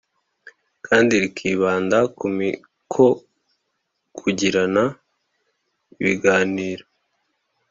Kandi rikibanda ku mikokugirana ibiganiro